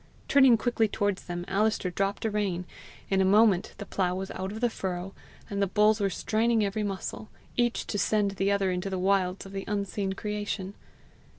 Turning quickly towards them, Alister dropped a rein. In a moment the plough was out of the furrow, and the bulls were straining every muscle, each to send the other into the wilds of the unseen creation.